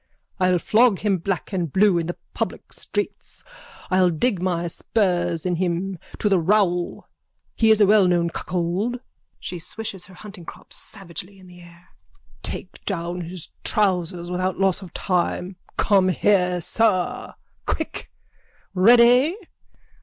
I'll flog him black and blue in the public streets. I'll dig my spurs in him up to the rowel. He is a wellknown cuckold. (She swishes her huntingcrop savagely in the air.) Take down his trousers without loss of time. Come here, sir! Quick! Ready?